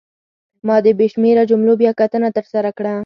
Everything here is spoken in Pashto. ما د بې شمېره جملو بیاکتنه ترسره کړه.